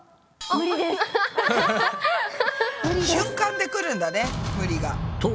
瞬間で来るんだね無理が。